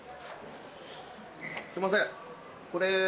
すいません。